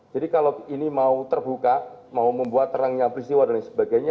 jadi kalau ini mau terbuka mau membuat terangnya peristiwa dan sebagainya